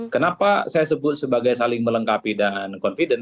kenapa saya sebut sebagai saling melengkapi dan confident